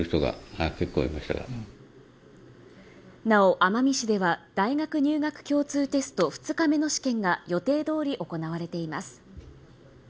なお、奄美市では大学入学共通テスト２日目の試験が予定どおり行われています。